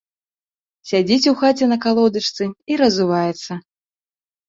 Сядзіць у хаце на калодачцы і разуваецца.